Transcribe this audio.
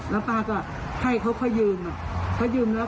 แล้วมันจะเด็กกับผมด้วย